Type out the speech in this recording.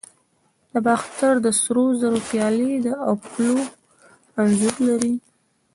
د باختر د سرو زرو پیالې د اپولو انځور لري